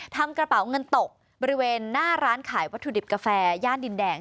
ทำกระเป๋าเงินตกบริเวณหน้าร้านขายวัตถุดิบกาแฟย่านดินแดง